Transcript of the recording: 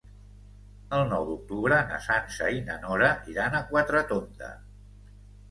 El nou d'octubre na Sança i na Nora iran a Quatretonda.